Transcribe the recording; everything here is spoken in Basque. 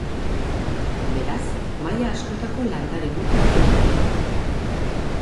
Beraz, maila askotako landare-motak ditu.